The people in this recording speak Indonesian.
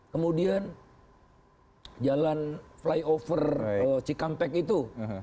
kemudian jalan flyover cikampek itu